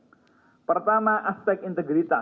b pertama aspek integritas